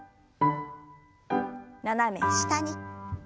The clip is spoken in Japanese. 斜め下に。